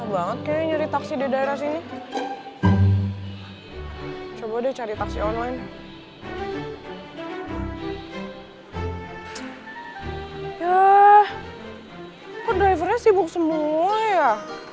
banget ya nyari taksi di daerah sini coba deh cari taksi online ya drivernya sibuk semua ya